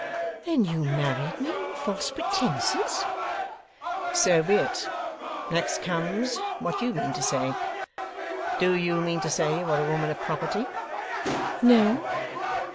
'Then you married me on false pretences?' 'So be it. Next comes what you mean to say. Do you mean to say you are a woman of property?' 'No.